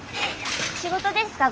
仕事ですか？